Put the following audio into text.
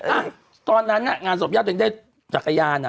อ่ะตอนนั้นน่ะงานศพญาติตัวเองได้จักรยานอ่ะ